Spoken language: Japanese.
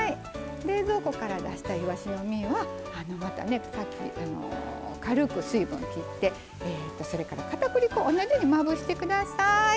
冷蔵庫から出したいわしの身はまたね軽く水分切ってそれからかたくり粉同じようにまぶしてください。